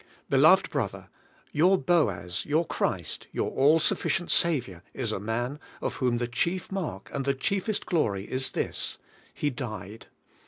Beloved brother, your Boaz, your Christ, your all sufficient Saviour, is a Man of whom the chief mark and the greatest glory is this: He died.